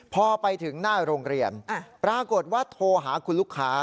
พอไปถึงหน้าโรงเรียนปรากฏว่าโทรหาคุณลูกค้า